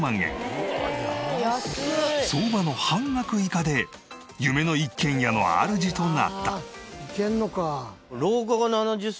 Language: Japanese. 相場の半額以下で夢の一軒家のあるじとなった。